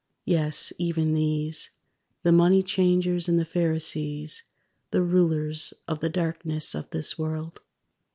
Yes, even these: The money changers and the Pharisees; The rulers of the darkness of this world.